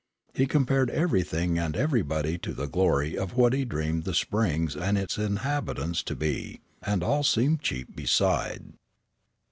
He compared everything and everybody to the glory of what he dreamed the Springs and its inhabitants to be, and all seemed cheap beside.